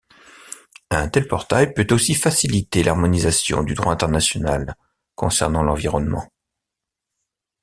Un tel portail peut aussi faciliter l’harmonisation du droit international concernant l'environnement.